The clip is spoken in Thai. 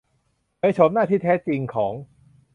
เผยโฉมหน้าที่แท้จริงของ